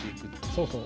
そうそう。